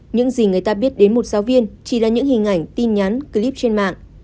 những gì người ta biết đến một giáo viên chỉ là những hình ảnh tin nhắn clip trên mạng